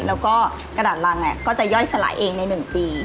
แล้วก็กระดาษรังก็จะย่อยสลายเองใน๑ปี